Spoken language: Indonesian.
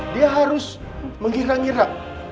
dia harus mengira ngira